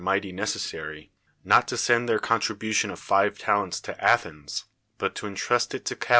irhty necessary) not to send their contribution of five talents to Athens, but to intrust it to Ca.